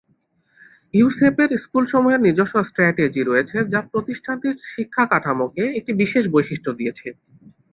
ইউসেপের স্কুলসমূহের নিজস্ব স্ট্র্যাটেজি রয়েছে যা প্রতিষ্ঠানটির শিক্ষাকাঠামোকে একটি বিশেষ বৈশিষ্ট্য দিয়েছে।